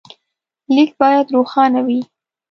لیک باید روښانه وي.